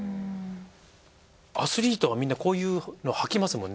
アスリートはみんなこういうのはきますもんね。